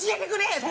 って。